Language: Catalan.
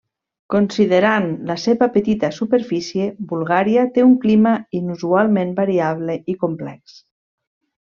Considerant la seva petita superfície, Bulgària té un clima inusualment variable i complex.